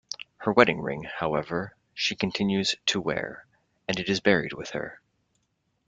Her wedding ring, however, she continues to wear, and it is buried with her.